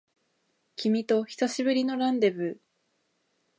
君と久しぶりのランデブー